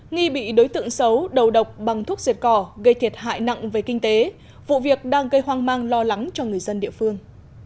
nghi bị đối tượng xấu đầu độc bằng thuốc diệt cỏ gây thiệt hại nặng về kinh tế vụ việc đang gây hoang mang lo lắng cho người dân địa phương